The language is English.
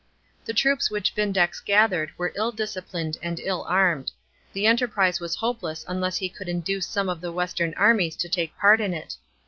The troops which Vindex gathered were ill disciplined and ill armed, the enterprise was hopeless unless he could induce some of the western armies to take part in it.